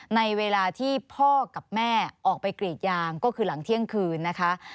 ในเวลาที่พ่อกับแม่ออกไปกรีดยางก็คือหลังเที่ยงคืนนะคะ